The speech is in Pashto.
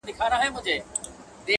پاک پر شرعه برابر مسلمانان دي-